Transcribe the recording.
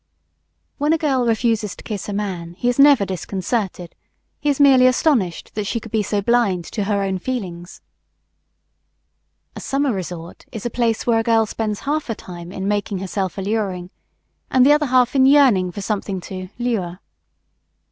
When a girl refuses to kiss a man he is never disconcerted; he is merely astonished that she could be so blind to her own feelings. A summer resort is a place where a girl spends half her time in making herself alluring and the other half in yearning for something to "lure."